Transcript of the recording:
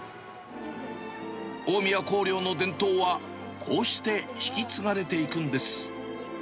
大宮光陵の伝統は、こうして引き継がれていくんです。